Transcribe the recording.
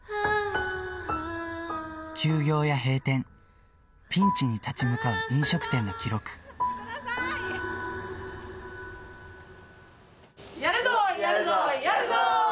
休業や閉店、ピンチに立ち向かうやるぞ、やるぞ、やるぞ！